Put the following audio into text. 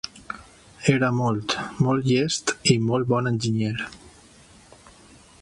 Era molt, molt llest i molt bon enginyer.